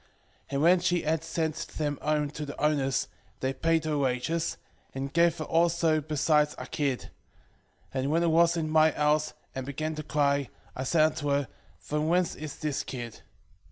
2:12 And when she had sent them home to the owners, they paid her wages, and gave her also besides a kid. 2:13 And when it was in my house, and began to cry, I said unto her, From whence is this kid?